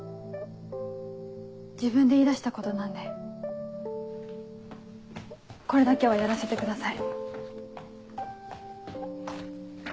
自分で言いだしたことなんでこれだけはやらせてください。